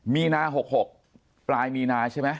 มีนา๖๖ปลายมีนาใช่ไหม